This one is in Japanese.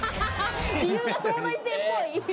理由が東大生っぽい。